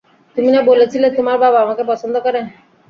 তুমি না বলেছিলে তোমার বাবা আমাকে পছন্দ করে?